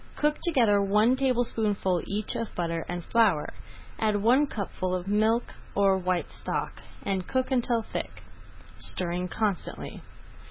Cook together one tablespoonful each of butter and flour, add one cupful of milk, or white stock, and cook until thick, stirring constantly.